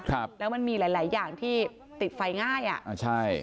ครับแล้วมันมีหลายหลายอย่างที่ติดไฟง่ายอ่ะอ่าใช่